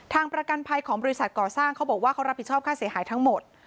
ประกันภัยของบริษัทก่อสร้างเขาบอกว่าเขารับผิดชอบค่าเสียหายทั้งหมด